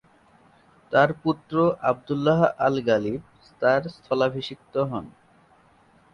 তার পুত্র আবদুল্লাহ আল-গালিব তার স্থলাভিষিক্ত হন।